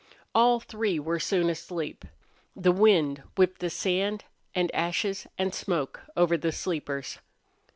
All three were soon asleep. The wind whipped the sand and ashes and smoke over the sleepers.